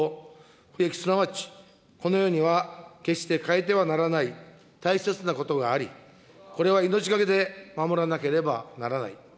不易、すなわちこの世には決して変えてはならない大切なことがあり、これは命懸けで守らなければならない。